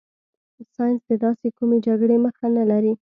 ساینس د داسې کومې جګړې مخه نه لري.